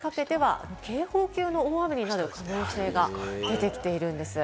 でも全国的に雨、土曜日にかけては警報級の大雨になる可能性が出てきているんです。